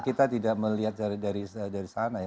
kita tidak melihat dari sana ya